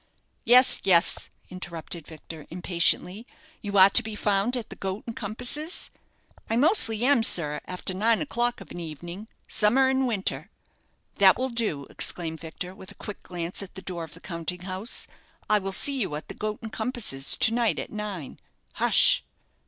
"Yes, yes," interrupted Victor, impatiently; "you are to be found at the 'Goat and Compasses'?" "I mostly am, sir, after nine o'clock of an evening summer and winter " "That will do," exclaimed Victor, with a quick glance at the door of the counting house. "I will see you at the 'Goat and Compasses' to night, at nine. Hush!"